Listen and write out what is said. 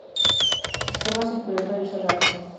Sistema circulatorio cerrado.